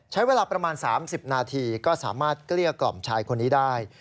ใช้เวลาประมาณ๓๐นาทีก็สามารถเกลี้ยกล่อมชายคนนี้ได้